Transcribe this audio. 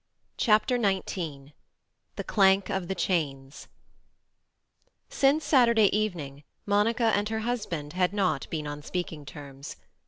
CHAPTER XIX THE CLANK OF THE CHAINS Since Saturday evening Monica and her husband had not been on speaking terms.